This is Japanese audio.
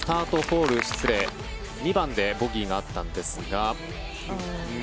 ２番でボギーがあったんですが。